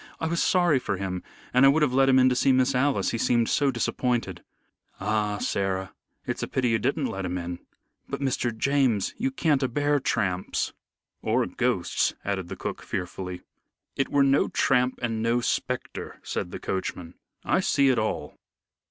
I was sorry for him, and I would have let him in to see Miss Alice, he seemed so disappointed." "Ah, Sarah, it's a pity you didn't let him in." "But, Mr. James, you can a bear tramps." "Or ghosts," added the cook, fearfully. "It were no tramp and no spectre," said the coachman. "I see it all."